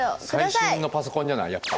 最新のパソコンじゃないやっぱ。